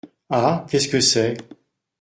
Ah ! qu'est-ce que c'est ?